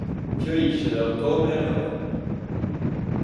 Fiorisce da ottobre a novembre.